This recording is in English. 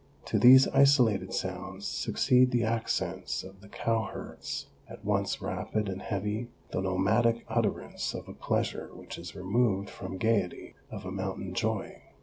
To these isolated sounds succeed the accents of the cowherds, at once rapid and heavy, the nomadic utterance of a pleasure which is re moved from gaiety, of a mountain joy.